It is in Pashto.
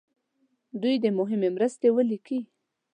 دوی دې مهمې مرستې ولیکي.